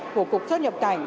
của cục chất nhập cảnh